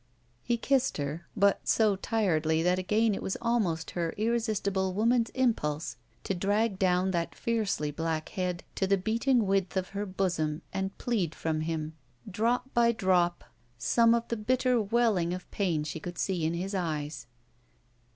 He. kissed her, but so tiredly that again it was almost her irresistible woman's impulse to drag down that fiercely black head to the beating width of her bosom and plead from him drop by drop 2SS ROULETTE some of the bitter welling of pain she could see in his eyes.